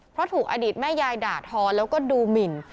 เพราะถูกอดีตแม่ยายด่าทอแล้วก็ดูหมิน